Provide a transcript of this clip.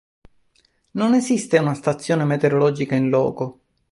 Non esiste una stazione meteorologica in loco.